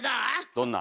どんな？